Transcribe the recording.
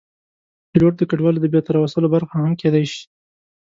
پیلوټ د کډوالو د بېرته راوستلو برخه هم کېدی شي.